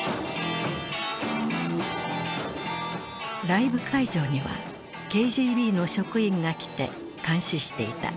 ライブ会場にはＫＧＢの職員が来て監視していた。